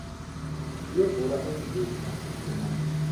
Hier wurde ein Weg nach ihm benannt.